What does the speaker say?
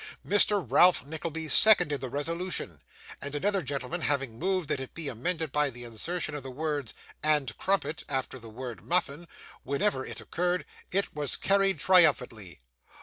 Mr. Ralph Nickleby seconded the resolution, and another gentleman having moved that it be amended by the insertion of the words 'and crumpet' after the word 'muffin,' whenever it occurred, it was carried triumphantly.